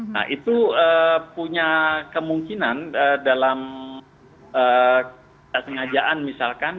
nah itu punya kemungkinan dalam kesengajaan misalkan